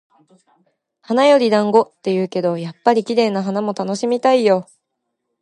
「花より団子」って言うけど、やっぱり綺麗な花も楽しみたいよ。